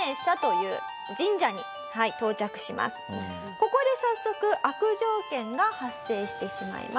ここで早速悪条件が発生してしまいます。